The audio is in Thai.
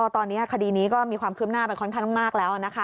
ตอนนี้คดีนี้ก็มีความคืบหน้าไปค่อนข้างมากแล้วนะคะ